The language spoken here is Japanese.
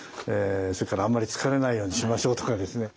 それからあんまり疲れないようにしましょうとかですね